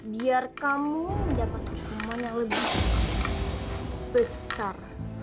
biar kamu mendapatkan keman yang lebih besar